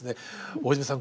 「大泉さん